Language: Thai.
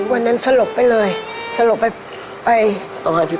วันนั้นสลบไปเลยสลบไปไป